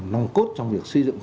nồng cốt trong việc xây dựng